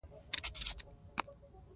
په افغانستان کې سرحدونه شتون لري.